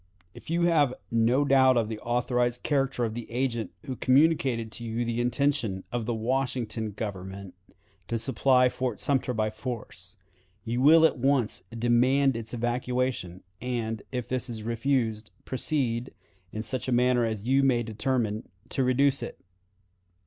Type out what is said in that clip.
"If you have no doubt of the authorized character of the agent who communicated to you the intention of the Washington Government to supply Fort Sumter by force, you will at once demand its evacuation, and, if this is refused, proceed, in such a manner as you may determine, to reduce it.